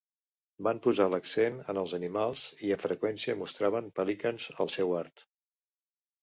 Van posar l'accent en els animals, i amb freqüència mostraven pelicans al seu art.